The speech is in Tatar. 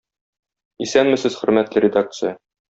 Исәнмесез, хөрмәтле редакция!